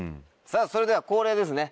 それでは恒例ですね